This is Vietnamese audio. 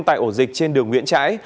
tại ổ dịch trên đường nguyễn trãi